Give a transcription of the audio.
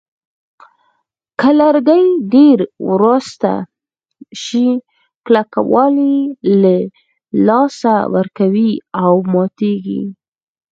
که لرګي ډېر وراسته شي کلکوالی له لاسه ورکوي او ماتېږي.